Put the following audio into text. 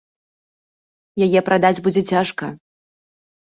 Яе прадаць будзе цяжка.